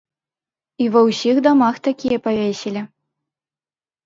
І ва ўсіх дамах такія павесілі.